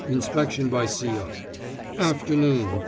Inspection by C.O. Afternoon.